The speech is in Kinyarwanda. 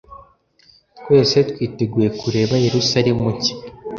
Twese twiteguye kurebe Yerusalemu nshya